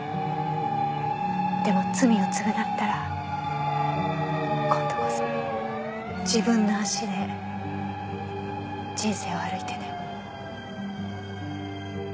でも罪を償ったら今度こそ自分の足で人生を歩いてね。